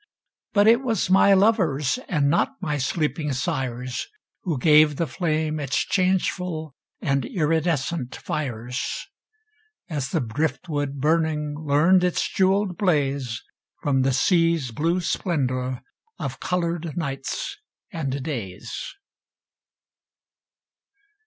But it was my lovers, And not my sleeping sires, Who gave the flame its changeful And iridescent fires; As the driftwood burning Learned its jewelled blaze From the sea's blue splendor Of colored nights and days.